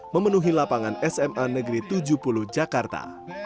memenuhi lapangan sma negeri tujuh puluh jakarta